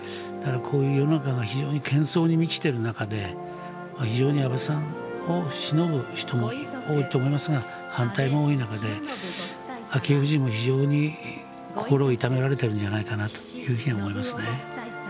こういう世の中が非常にけん騒に満ちている中で非常に安倍さんをしのぶ人も多いと思いますが反対も多い中で昭恵夫人も非常に心を痛められてるんじゃないかなと思いますね。